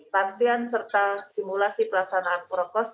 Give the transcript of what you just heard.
latihan serta simulasi pelaksanaan prokos